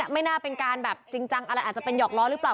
ไม่น่าเป็นการแบบจริงจังอะไรอาจจะเป็นหอกล้อหรือเปล่า